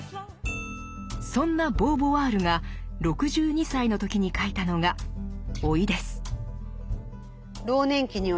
そんなボーヴォワールが６２歳の時に書いたのが「老い」です。